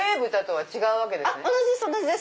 同じです同じです。